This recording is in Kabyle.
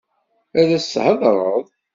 Ad as-theḍṛeḍ?